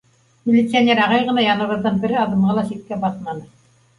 Милиционер ағай ғына яныбыҙҙан бер аҙымға ла ситкә баҫманы.